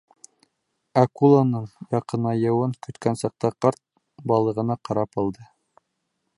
Акуланың яҡынайыуын көткән саҡта ҡарт балығына ҡарап алды.